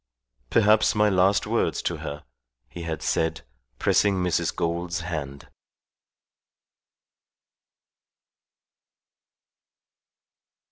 "Perhaps my last words to her," he had said, pressing Mrs. Gould's hand.